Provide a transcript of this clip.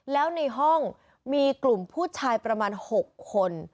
แล้วในห้องมีกลุ่มผู้ชายประมาณ๖คน